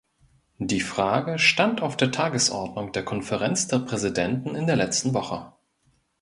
Die Frage stand auf der Tagesordnung der Konferenz der Präsidenten in der letzten Woche.